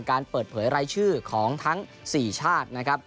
การเปิดเผยรายชื่อของทั้ง๔ชาตินะครับ